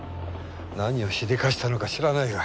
何をしでかしたのか知らないが